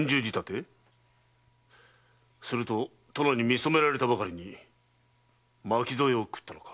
すると殿に見初められたばかりに巻き添えを食ったのか？